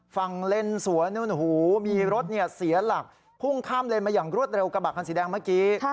เลนสวนนู่นหูมีรถเสียหลักพุ่งข้ามเลนมาอย่างรวดเร็วกระบะคันสีแดงเมื่อกี้